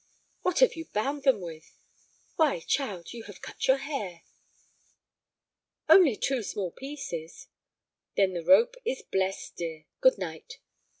"What have you bound them with? Why, child, you have cut your hair!" "Only two small pieces." "Then the rope is blessed, dear. Good night."